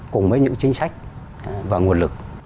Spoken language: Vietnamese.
cùng với những chính sách và nguồn lực